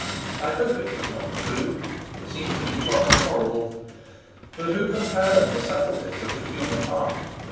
I hope it was not true. It seems to me rather horrible. But who can fathom the subtleties of the human heart?